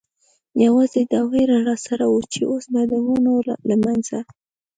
یوازې دا وېره را سره وه، چې اوس به د ونو له منځه.